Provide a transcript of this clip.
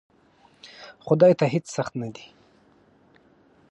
خدای ته هیڅ سخت نه دی!